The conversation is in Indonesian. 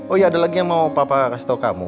oh ya ada lagi yang mau papa kasih tau kamu